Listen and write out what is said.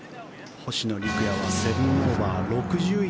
星野陸也は７オーバー６０位